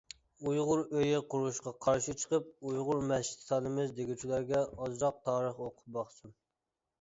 ئۇيغۇر ئۆيى قۇرۇشقا قارشى چىقىپ ئۇيغۇر مەسچىتى سالىمىز دېگۈچىلەرگە ئازراق تارىخ ئوقۇپ باقسۇن.